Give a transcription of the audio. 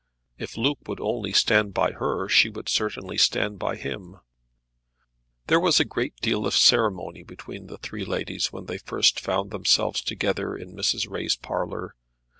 If Luke would only stand by her, she would certainly stand by him. There was a good deal of ceremony between the three ladies when they first found themselves together in Mrs. Ray's parlour.